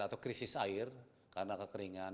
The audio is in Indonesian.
atau krisis air karena kekeringan